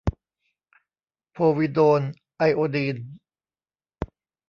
โพวิโดน ไอโอดีน